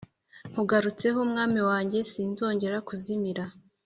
Nkugarutseho mwami wanjye sinzongera kuzimira